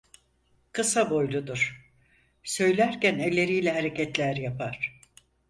Kısa boyludur, söylerken elleriyle hareketler yapar.